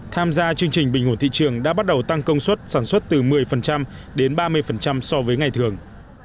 tham gia chương trình bình ổn thị trường đã bắt đầu tăng công suất sản xuất từ một mươi đến ba mươi so với ngày thường